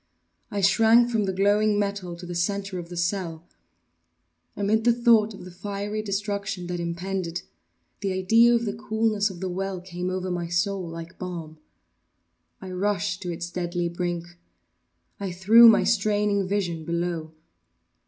I shrank from the glowing metal to the centre of the cell. Amid the thought of the fiery destruction that impended, the idea of the coolness of the well came over my soul like balm. I rushed to its deadly brink. I threw my straining vision below.